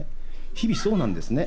日々そうなんですね。